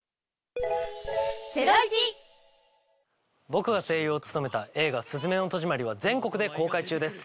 僕が声優を務めた映画『すずめの戸締まり』は全国で公開中です。